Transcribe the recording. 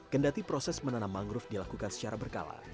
kendati proses menanam mangrove dilakukan secara berkala